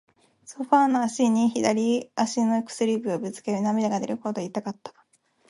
ソファーの脚に、左足の薬指をぶつけ、涙が出るほど痛かった。